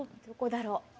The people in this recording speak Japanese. どこだろう？